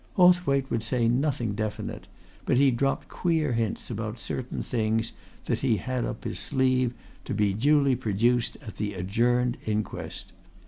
Hawthwaite would say nothing definite, but he dropped queer hints about certain things that he had up his sleeve, to be duly produced at the adjourned inquest.